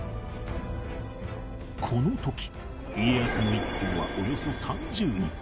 この時家康の一行はおよそ３０人